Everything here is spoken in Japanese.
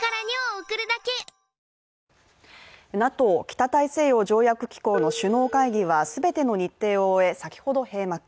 ＮＡＴＯ＝北大西洋条約機構の首脳会議は全ての日程を終え、先ほど閉幕。